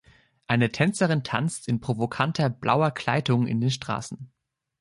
Eine Tänzerin tanzt in provokanter blauer Kleidung in den Straßen